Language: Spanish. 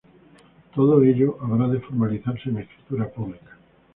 Todo ello habrá de formalizarse en escritura pública.